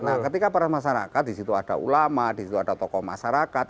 nah ketika peran masyarakat disitu ada ulama disitu ada tokoh masyarakat